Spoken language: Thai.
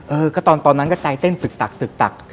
เออก็ตอนนั้นก็ใจเต้นตึกตัก